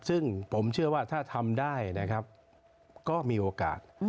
ซึ่งผมเชื่อว่าถ้าทำได้นะครับก็มีโอกาส